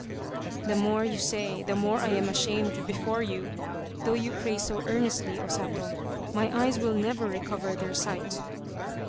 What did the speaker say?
" The more you say, the more I am ashamed before you. Though you pray so earnestly, O Sato, my eyes will never recover their sight."